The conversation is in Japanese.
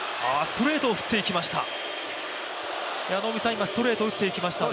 今、ストレートを打っていきましたね。